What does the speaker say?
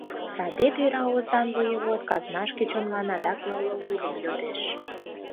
Саде тӧра Озаҥ воевод казнашке чонлан адак нылле урым йодеш.